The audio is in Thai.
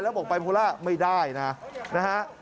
แล้วบอกไยโพล่าไม่ได้นะนะฮะ